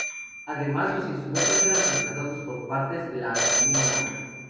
Además, los instrumentos eran reemplazados por partes de la anatomía humana.